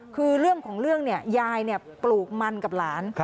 คือเรื่องของเรื่องเนี่ยยายปลูกมันกับหลาน